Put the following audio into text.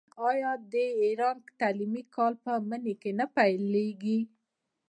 آیا د ایران تعلیمي کال په مني کې نه پیلیږي؟